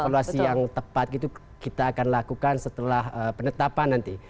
evaluasi yang tepat gitu kita akan lakukan setelah penetapan nanti